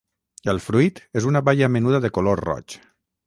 El fruit és una baia menuda de color roig.